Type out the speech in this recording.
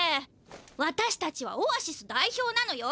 わたしたちはオアシス代表なのよ！